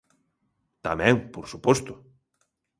Tamén, por suposto.